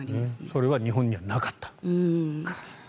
それは日本にはなかった。